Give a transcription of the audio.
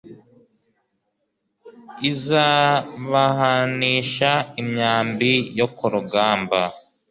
izabahanisha imyambi yo ku rugamba